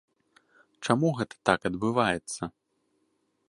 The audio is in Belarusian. Чаму гэта так адбываецца?